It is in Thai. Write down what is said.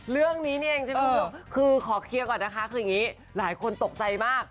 เรื่องนี้นี่เองใช่ไหมคือขอเคลียร์ก่อนนะคะคืออย่างนี้หลายคนตกใจมาก